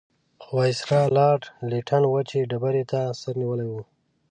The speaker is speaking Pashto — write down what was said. خو وایسرا لارډ لیټن وچې ډبرې ته سر نیولی وو.